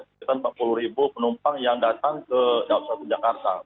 sekitar empat puluh ribu penumpang yang datang ke dawab satu jakarta